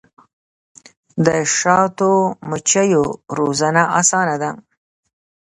د شاتو مچیو روزنه اسانه ده؟